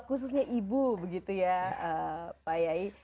khususnya ibu begitu ya pak yai